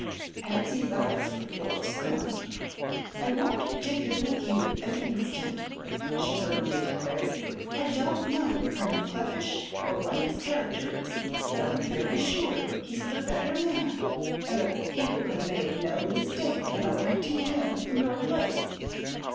Patsy's eyes were full of scorn. "I won't dicker with you an instant," she firmly declared. "I don't know Colonel Kleppish, or what his character is, but I'm very sure he's the better man and that the people have made no mistake in electing him in your place.